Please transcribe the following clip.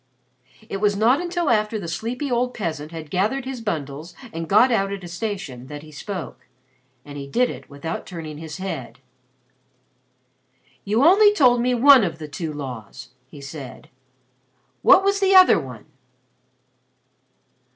It was not until after the sleepy old peasant had gathered his bundles and got out at a station that he spoke, and he did it without turning his head. "You only told me one of the two laws," he said. "What was the other one?"